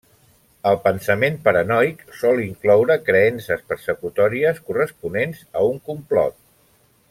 El pensament paranoic sol incloure creences persecutòries corresponents a un complot.